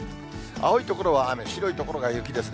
青い所は雨、白い所が雪ですね。